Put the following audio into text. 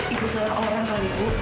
ibu salah orang kali ibu